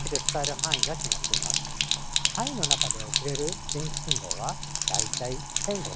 範囲の中で送れる電気信号は大体１，５００万個です。